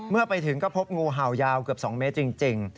เมื่อไปถึงก็พบงูเห่ายาวเกือบ๒เมตรจริง